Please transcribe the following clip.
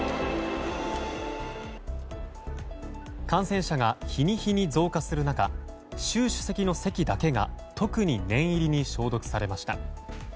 感染者が日に日に増加する中習主席の席だけが特に念入りに消毒されました。